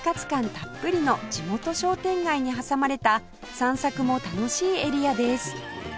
たっぷりの地元商店街に挟まれた散策も楽しいエリアです